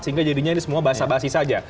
sehingga jadinya ini semua bahasa bahasa saja